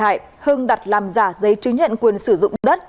các bị hại hưng đặt làm giả giấy chứng nhận quyền sử dụng đất